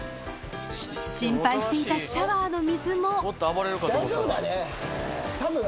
心配していたシャワーの水もたぶん。